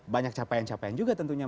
banyak capaian capaian juga tentunya